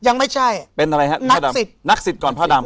นักศิษย์ก่อนผ้าดำ